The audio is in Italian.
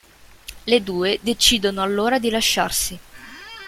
Le due decidono allora di lasciarsi.